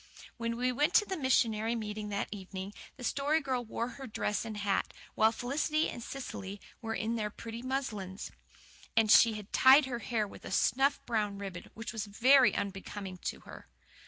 When we went to the missionary meeting that evening, the Story Girl wore her school dress and hat, while Felicity and Cecily were in their pretty muslins. And she had tied her hair with a snuff brown ribbon which was very unbecoming to her.